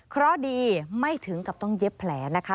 เพราะดีไม่ถึงกับต้องเย็บแผลนะคะ